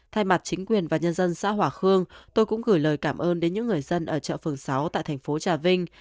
thay mặt chính quyền và nhân dân xã hòa khương tôi cũng gửi lời cảm ơn đến những người dân ở chợ phường sáu tại thành phố trà vinh